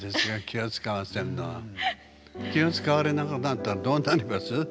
気をつかわれなくなったらどうなります？